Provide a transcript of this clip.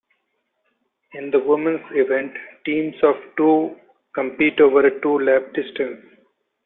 In the women's event, teams of two compete over a two-lap distance.